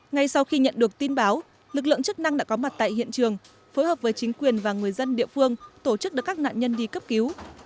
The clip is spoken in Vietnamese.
ngay sau khi nhận được tin báo lực lượng chức năng đã có mặt tại hiện trường phối hợp với chính quyền và người dân địa phương tổ chức đưa các nạn nhân đi cấp cứu